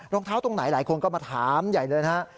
รองเท้าตรงไหนหลายคนก็มาถามใหญ่เลยนะฮะ